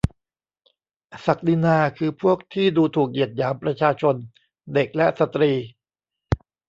ศักดินาคือพวกที่ดูถูกเหยียดหยามประชาชน เด็กและสตรี ?